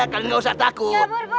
kalian gak usah takut